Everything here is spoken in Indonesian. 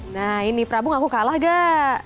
nah ini prabu ngaku kalah gak